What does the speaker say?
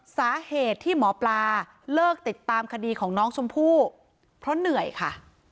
สาเหตุที่หมอปลาเลิกติดตามคดีของน้องชมพู่เพราะเหนื่อยค่ะ